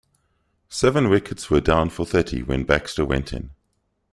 Seven wickets were down for thirty when Baxter went in.